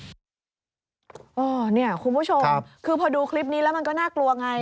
คุณผู้ชมคือพอดูคลิปนี้แล้วมันก็น่ากลัวไง